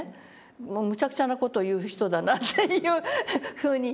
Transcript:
もうむちゃくちゃな事を言う人だなっていうふうに。